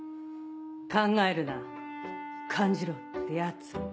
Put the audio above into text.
考えるな感じろってやつ。